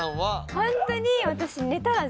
ホントに私。